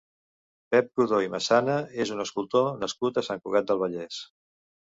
Pep Codó i Masana és un escultor nascut a Sant Cugat del Vallès.